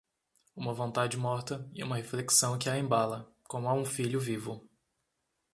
Uma vontade morta e uma reflexão que a embala, como a um filho vivo...